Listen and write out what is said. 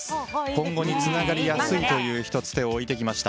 今後につながりやすいという手を置いてきました。